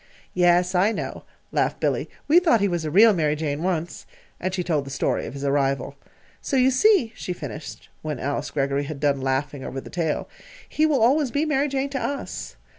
"Yes, I know," laughed Billy. "We thought he was a real Mary Jane, once." And she told the story of his arrival. "So you see," she finished, when Alice Greggory had done laughing over the tale, "he always will be 'Mary Jane' to us.